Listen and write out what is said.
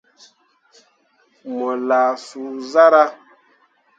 Mo lah suu zarah.